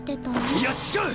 いや違う！